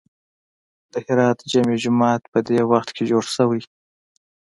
د هرات جامع جومات په دې وخت کې جوړ شوی.